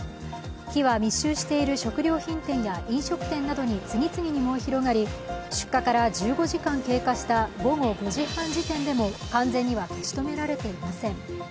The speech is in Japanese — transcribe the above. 火は密集している食料品店や飲食店などに次々と燃え広がり、出火から１５時間経過した午後５時半時点でも完全には消し止められていません。